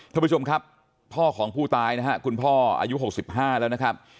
ท่านผู้ชมครับพ่อของผู้ตายนะครับคุณพ่ออายุ๖๕แล้วนะครับ